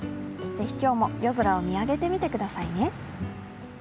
ぜひ今日も夜空を見上げてみてくださいね。